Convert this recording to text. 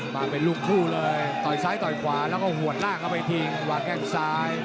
มาเป็นลูกคู่เลยต่อยซ้ายต่อยขวาแล้วก็หัวล่างเข้าไปทิ้งหวาดแข้งซ้าย